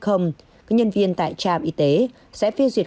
các nhân viên tại trạm y tế sẽ phê duyệt